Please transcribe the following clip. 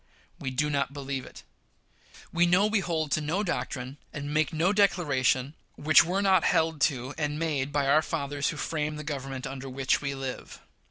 We do not believe it. We know we hold to no doctrine, and make no declaration, which were not held to and made by our fathers who framed the Government under which we live.